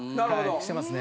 してますね。